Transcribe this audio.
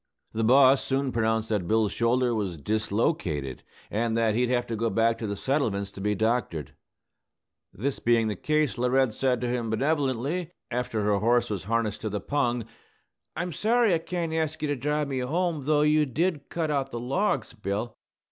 The boss soon pronounced that Bill's shoulder was dislocated, and that he'd have to go back to the settlements to be doctored. This being the case, Laurette said to him benevolently, after her horse was harnessed to the pung, "I'm sorry I can't ask you to drive me home, though you did cut out the logs, Bill.